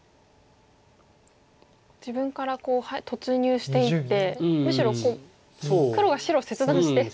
自分から突入していってむしろ黒が白を切断して。